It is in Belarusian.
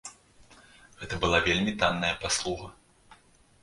Гэта была вельмі танная паслуга.